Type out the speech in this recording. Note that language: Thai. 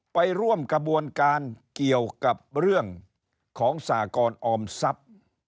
ไปร่วมกระบวนการเกี่ยวกับเรื่องของสากรออมทรัพย์